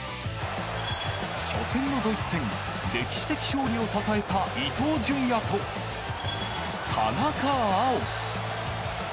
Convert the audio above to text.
初戦のドイツ戦歴史的勝利を支えた伊東純也と田中碧。